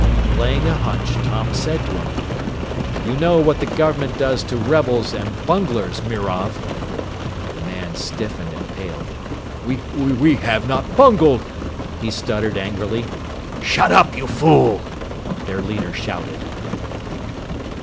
Playing a hunch, Tom said to him, "You know what your government does to rebels and bunglers, Mirov." The man stiffened and paled. "We have not b b bungled!" he stuttered angrily. "Shut up, you fool!" their leader shouted.